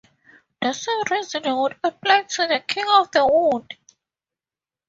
The same reasoning would apply to the King of the Wood.